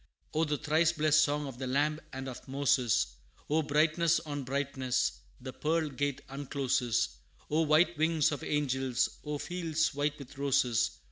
O the thrice blessed song of the Lamb and of Moses! O brightness on brightness! the pearl gate uncloses! O white wings of angels! O fields white with roses!